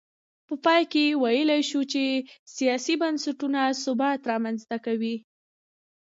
په پای کې ویلای شو چې سیاسي بنسټونه ثبات رامنځته کوي.